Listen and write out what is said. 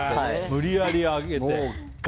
無理やり上げて。